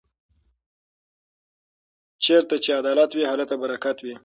چېرته چې عدالت وي هلته برکت وي.